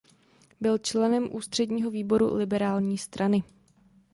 Byl členem ústředního výboru Liberální strany.